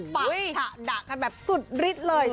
บ่ะฉะดะกันแบบสุดริดเลย